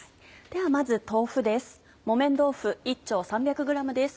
ではまず豆腐です。